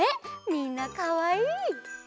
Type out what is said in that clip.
みんなかわいい！